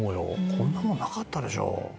「こんなものなかったでしょ」